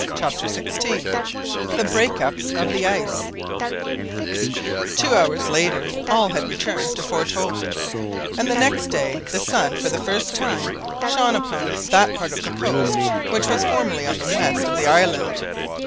CHAPTER XVI THE BREAK UP OF THE ICE Two hours later all had returned to Fort Hope, and the next day the sun for the first time shone upon that part of the coast which was formerly on the west of the island.